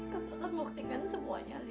kaka akan buktikan semuanya li